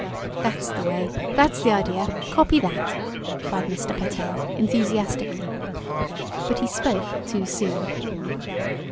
"That's the way that's the idea copy that!" cried Mr. Pertell, enthusiastically. But he spoke too soon.